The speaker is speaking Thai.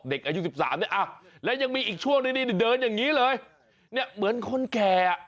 เด็กอายุ๑๓เนี่ยอะแล้วยังมีอีกช่วงอย่างนี้เหมือนคนแก่